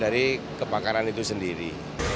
dari kebakaran itu sendiri